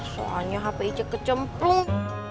soalnya hp icu kecemplung